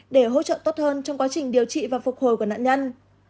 để hỗ trợ tốt hơn trong quá trình điều trị và phục hồi của nạn nhân